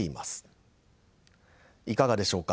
いかがでしょうか。